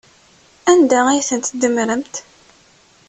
Anda ay ten-tdemmremt?